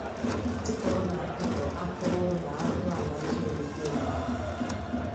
Dịka ọ na-akatọ akaọrụ na arụrụala ndị omekoome ahụ